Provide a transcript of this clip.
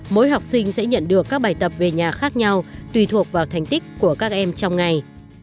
mỗi học sinh sẽ nhận được các bài tập về nhà khác nhau tùy thuộc vào thành tích của các em trong ngày